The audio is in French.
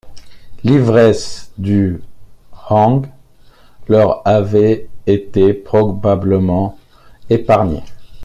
L’ivresse du « hang » leur avait été probablement épargnée.